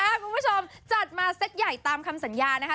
คุณผู้ชมจัดมาเซ็ตใหญ่ตามคำสัญญานะคะ